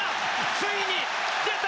ついに出た！